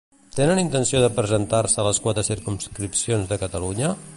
Tenen intenció de presentar-se a les quatre circumscripcions de Catalunya?